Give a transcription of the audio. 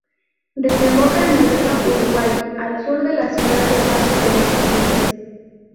Desemboca en el río Uruguay al sur la ciudad de Paso de los Libres.